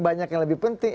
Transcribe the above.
banyak yang lebih penting